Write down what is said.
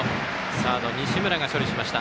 サード、西村が処理しました。